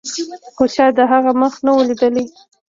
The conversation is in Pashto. خو چا د هغه مخ نه و لیدلی.